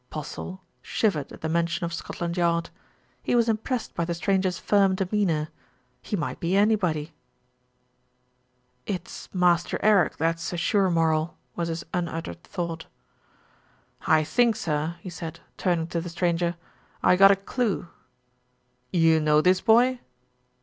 Postle shivered at the mention of Scotland Yard. He was impressed by the stranger's firm demeanour. He might be anybody. "It's Master Eric, that's a sure moral," was his unuttered thought. "I think, sir," he said, turning to the stranger, "I ha' got a clue." "You know this boy?"